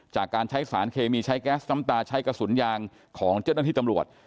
จากการใช้สารเคมีใช้แก๊สน้ำตาใช้กระสุนยางของเจ้าหน้าที่ตำรวจ